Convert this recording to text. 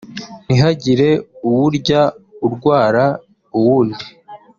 ntihagire uwurya urwara uwundi